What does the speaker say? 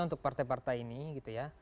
untuk partai partai ini gitu ya